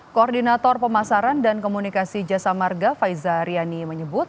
koordinator pemasaran dan komunikasi jasa marga faiza riani menyebut